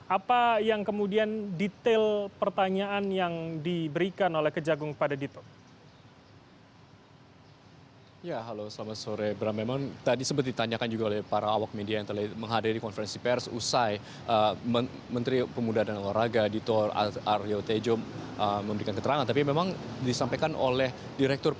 apa yang kemudian detail pertanyaan yang diberikan oleh kejagung kepada dito